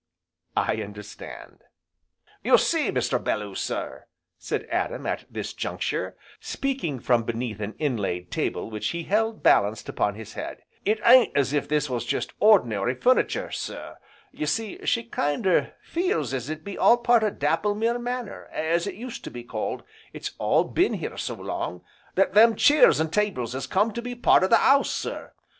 "I understand!" "You see, Mr. Belloo sir," said Adam, at this juncture, speaking from beneath an inlaid table which he held balanced upon his head, "it ain't as if this was jest ordinary furnitur' sir, ye see she kind er feels as it be all part o' Dapplemere Manor, as it used to be called, it's all been here so long, that them cheers an' tables has come to be part o' the 'ouse, sir.